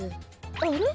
あれ？